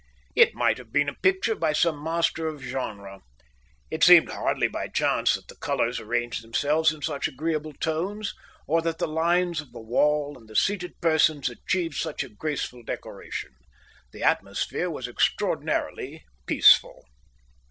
It might have been a picture by some master of genre. It seemed hardly by chance that the colours arranged themselves in such agreeable tones, or that the lines of the wall and the seated persons achieved such a graceful decoration. The atmosphere was extraordinarily peaceful.